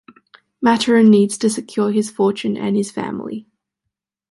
Maturin needs to secure his fortune and his family.